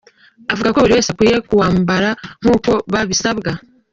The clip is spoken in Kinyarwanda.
Avuga ko buri wese akwiye kuwambara nk’uko babisabwa.